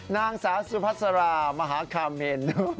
นางสาวสุพัสรามหาคาเมน